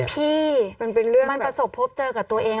พี่มันประสบพบเจอกับตัวเอง